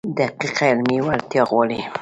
دقیقه علمي وړتیا غواړي.